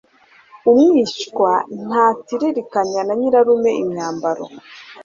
Umwishwa ntatiririkanya na Nyirarume imyambaro,